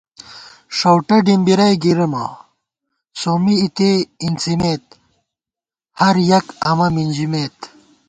ݭَؤٹہ ڈِمبِرَئی گِرِمہ سومّی اِتےاِنڅِمېت، ہَریَک امہ مِنژِمېت